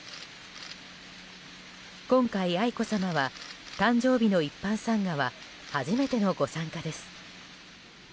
今回、愛子さまは誕生日の一般参賀は初めてのご参加です。